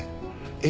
え？